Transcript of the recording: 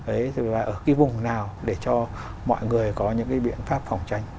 ở cái vùng nào để cho mọi người có những cái biện pháp phòng tranh